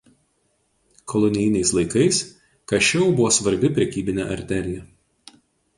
Kolonijiniais laikais Kašeu buvo svarbi prekybinė arterija.